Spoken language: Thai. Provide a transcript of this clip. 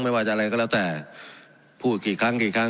ไม่ว่าจะอะไรก็แล้วแต่พูดกี่ครั้งกี่ครั้ง